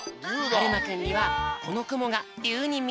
はるまくんにはこのくもがりゅうにみえたみたい。